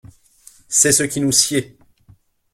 C'est ce qui nous sied.